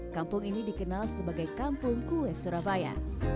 kampung ini dikenal sebagai kampung kue surabaya